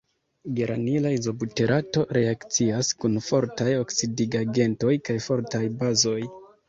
Geranila izobuterato reakcias kun fortaj oksidigagentoj kaj fortaj bazoj.